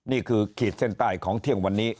ขีดเส้นใต้ของเที่ยงวันนี้